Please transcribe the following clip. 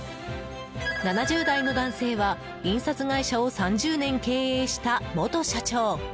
７０代の男性は印刷会社を３０年経営した元社長。